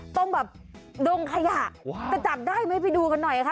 ตรงแบบดงขยะจะจับได้ไหมไปดูกันหน่อยค่ะ